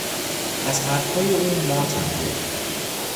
از حرفهای او ماتم برد.